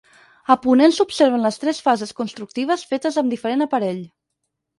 A ponent s'observen les tres fases constructives fetes amb diferent aparell.